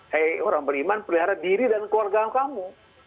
hei orang beriman pelihara diri dan keluarga kamu